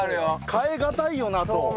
代えがたいよなと。